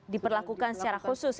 diperlakukan secara khusus